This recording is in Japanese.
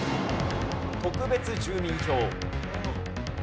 特別住民票。